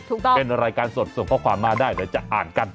เป็นรายการสดส่งข้อความมาได้เดี๋ยวจะอ่านกัน